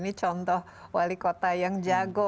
ini contoh wali kota yang jago